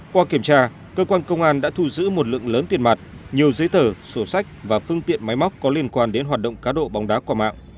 qua kiểm tra cơ quan công an đã thu giữ một lượng lớn tiền mặt nhiều giấy tờ sổ sách và phương tiện máy móc có liên quan đến hoạt động cá độ bóng đá qua mạng